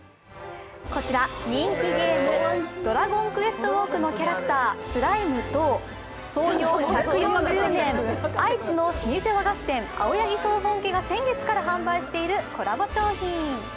こちら人気ゲーム「ドラゴンクエストウォーク」のキャラクター・スライムと創業１４０年、愛知の老舗和菓子店青柳総本家が先月から販売しているコラボ商品。